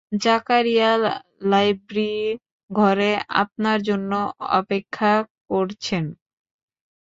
Zakaria library ঘরে আপনার জন্য অপেক্ষা করছেন।